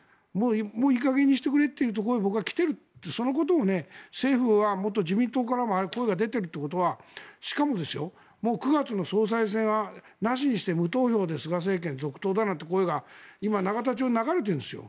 もういい加減にしてくれというところに僕は来ているとそのことを自民党からも声が出ているということはしかも、９月の総裁選はなしにして無投票で菅政権続投だなんて声が永田町に流れてるんですよ。